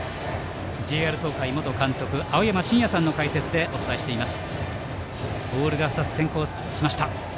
ＪＲ東海元監督青山眞也さんの解説でお伝えしています。